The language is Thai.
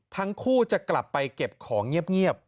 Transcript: ทั้งคู่จะกลับไปเก็บของเงียบ